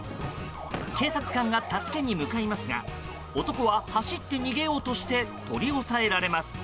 警察官が助けに向かいますが男は走って逃げようとして取り押さえられます。